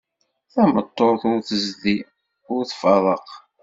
Tameṭṭut ur tzeddi, ur tfeṛṛeq.